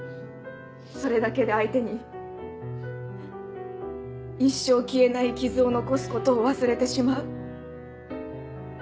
それだけで相手に一生消えない傷を残すことを忘れてしまう。